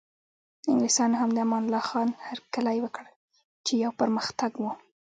انګلیسانو هم د امان الله خان هرکلی وکړ چې یو پرمختګ و.